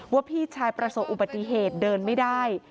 พี่ชายประสบอุบัติเหตุเดินไม่ได้